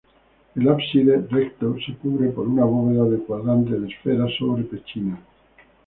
El ábside, recto, se cubre por una bóveda de cuadrante de esfera sobre pechinas.